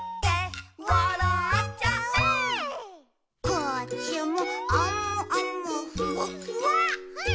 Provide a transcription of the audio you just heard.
「こっちもあむあむふわっふわ」